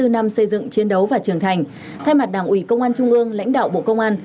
bảy mươi năm xây dựng chiến đấu và trưởng thành thay mặt đảng ủy công an trung ương lãnh đạo bộ công an